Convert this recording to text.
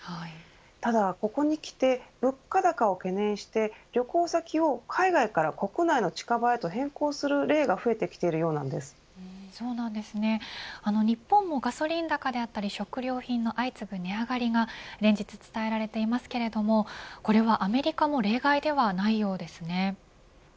ただ、ここにきて物価高を懸念して旅行先を海外から国内の近場へと変更する日本もガソリン高だったり食料品の相次ぐ値上がりが連日伝えられていますがこれはアメリカも例外ではないようですね。